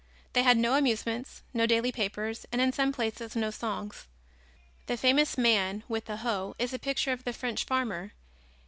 They had no amusements, no daily papers, and in some places no songs. The famous Man with the Hoe is a picture of the French farmer.